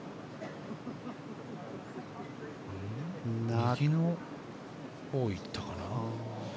右のほうに行ったかな。